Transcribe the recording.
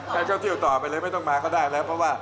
แล้วก็เที่ยวต่อไปเลยไม่ต้องมาก็ได้แล้ว